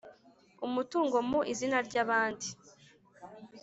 Umutungo Mu Izina Ry Abandi